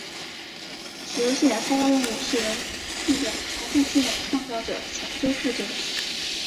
此游戏的开发任务是由逆转裁判系列的创造者巧舟负责。